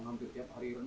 ya dia berenang